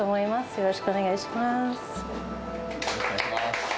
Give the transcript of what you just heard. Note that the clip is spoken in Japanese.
よろしくお願いします。